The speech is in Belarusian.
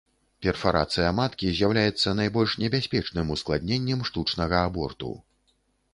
Перфарацыя маткі з'яўляецца найбольш небяспечным ускладненнем штучнага аборту.